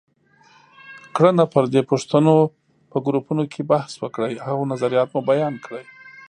کړنه: پر دې پوښتنو په ګروپونو کې بحث وکړئ او نظریات مو بیان کړئ.